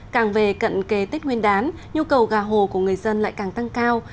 càng về cận kế tích nguyên đán nhu cầu gà hồ của người dân lại càng tăng cao